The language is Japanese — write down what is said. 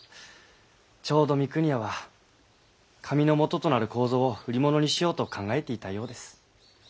ちょうど三国屋は紙のもととなる楮を売り物にしようと考えていたようです。